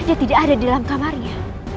dia tidak ada di dalam kamarnya